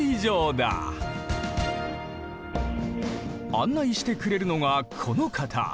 案内してくれるのがこの方。